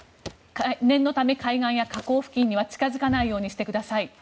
念のため海岸や河口付近には近付かないようにしてください。